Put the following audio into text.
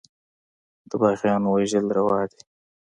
د باغيانو وژل روا دي.